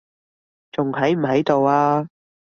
仲喺唔喺度啊？